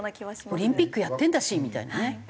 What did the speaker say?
オリンピックやってるんだしみたいなね。